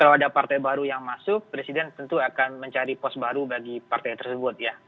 kalau ada partai baru yang masuk presiden tentu akan mencari pos baru bagi partai tersebut ya